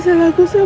sadar dong mas